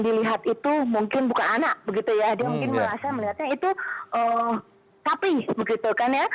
dilihat itu mungkin bukan anak begitu ya dia mungkin merasa melihatnya itu sapi begitu kan ya